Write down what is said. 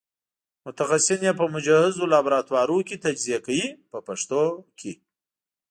متخصصین یې په مجهزو لابراتوارونو کې تجزیه کوي په پښتو کې.